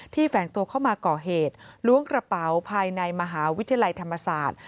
แฝงตัวเข้ามาก่อเหตุล้วงกระเป๋าภายในมหาวิทยาลัยธรรมศาสตร์